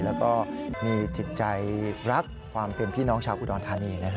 แล้วก็มีจิตใจรักความเป็นพี่น้องชาวอุดรธานี